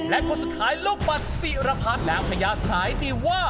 และคนสุดท้ายลูกบัตรศิรพัฒน์แล้วพญาสายดีว่า